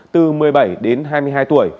từ một mươi bảy đến hai mươi hai tuổi